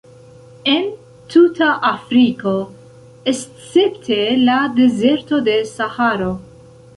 En tuta Afriko, escepte la dezerto de Saharo.